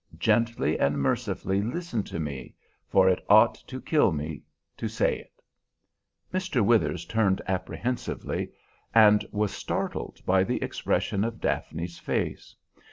Gently and mercifully listen to me, for it ought to kill me to say it!" Mr. Withers turned apprehensively, and was startled by the expression of Daphne's face.